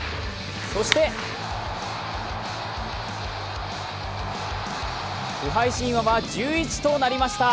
そして不敗神話は１１となりました。